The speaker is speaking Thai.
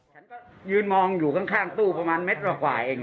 ฉันก็ยืนมองอยู่ข้างตู้ประมาณเม็ดกว่าเอง